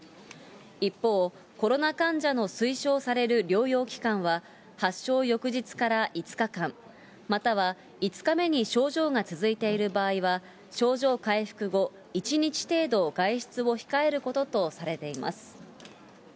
一方、コロナ患者の推奨される療養期間は、発症翌日から５日間、または５日目に症状が続いている場合は、症状回復後１日程度、外出を控えることとされています。